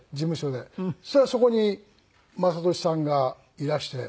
そしたらそこに雅俊さんがいらして。